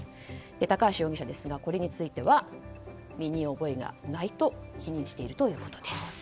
高橋容疑者は、これについては身に覚えがないと否認しているということです。